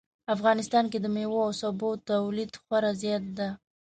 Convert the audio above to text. افغانستان کې د میوو او سبو تولید خورا زیات ده